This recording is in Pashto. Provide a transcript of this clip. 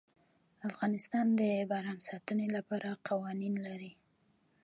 افغانستان د باران د ساتنې لپاره قوانین لري.